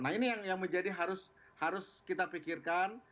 nah ini yang menjadi harus kita pikirkan